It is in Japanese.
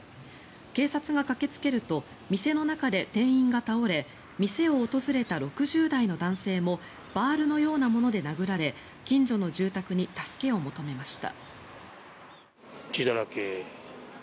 警察が駆けつけると店の中で店員が倒れ店を訪れた６０代の男性もバールのようなもので殴られ近所の住宅に助けを求めました。